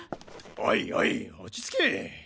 おいおい落ち着け！